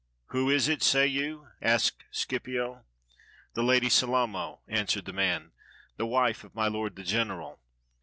"Who is it, say you?" asked Scipio. "The Lady Salamo," answered the man, "the wife of my lord the general."